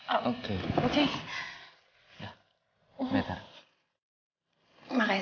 aku gesagt ke pak adi